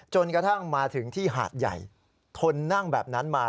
จนกระทั่งมาถึงที่หาดใหญ่ทนนั่งแบบนั้นมา